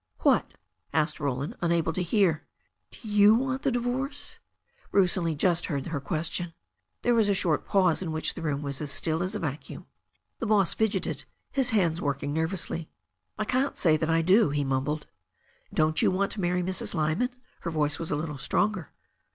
"What?" asked Roland, unable to hear. "Do you want the divorce?" Bruce only just heard her question. There was a short pause, in which the room was as still as a vacuum. The boss fidgeted, his hands working nervously. "I can't say that I do," he mumbled. "Don't you want to marry Mrs. Lyman ?" Her voice was a little stronger.